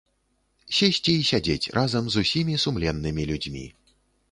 Сесці і сядзець разам з усімі сумленнымі людзьмі.